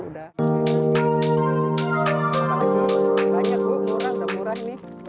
kisah seperti ibu suami